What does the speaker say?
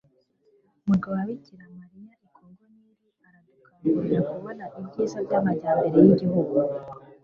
murwa wa bikira mariya i kongo nil aranadukangurira kubona ibyiza by'amajyambere y'igihugu